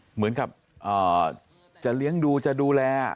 เหมือนกับจะเลี้ยงดูจะดูแล